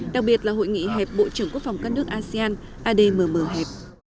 đặc biệt là hội nghị hẹp bộ trưởng quốc phòng các nước asean admm hẹp